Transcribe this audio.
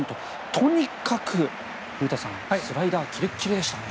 とにかく、古田さんスライダーがキレキレでしたね。